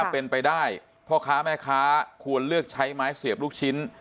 เป็นไปได้พ่อค้าแม่ค้าควรเลือกใช้ไม้เสียบลูกชิ้น